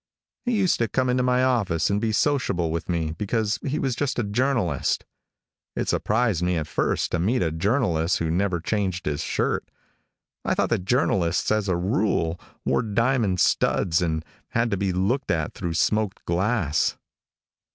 He used to come into my office and be sociable with me because he was a journalist. It surprised me at first to meet a journalist who never changed his shirt. I thought that journalists, as a rule, wore diamond studs and had to be looked at through smoked glass.